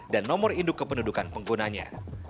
nomor induk kependudukan penggunanya